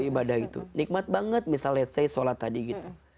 ibadah itu nikmat banget misalnya let's say sholat tadi gitu